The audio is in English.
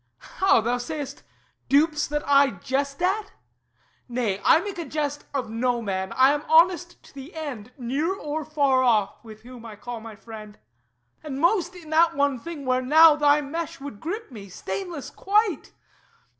How, thou say'st, "Dupes that I jest at?" Nay; I make a jest Of no man. I am honest to the end, Near or far off, with him I call my friend. And most in that one thing, where now thy mesh Would grip me, stainless quite!